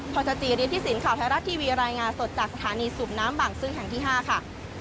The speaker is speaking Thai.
พอร์ตเจอรียะที่ศีลข่าวไทยรัฐทีวีรายงานสดจากฐานีสูบน้ำบ่างซึ่งแห่งที่๕ค่ะ